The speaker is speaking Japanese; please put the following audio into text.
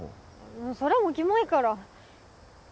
もうそれもキモいから。